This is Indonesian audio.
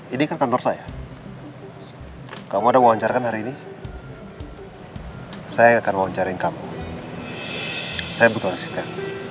ini kantor saya kamu udah wawancarkan hari ini saya akan wawancarkan kamu saya butuh asisten